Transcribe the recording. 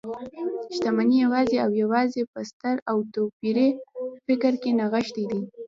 شتمنۍ يوازې او يوازې په ستر او توپيري فکر کې نغښتي ده .